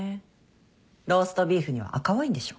ローストビーフには赤ワインでしょ。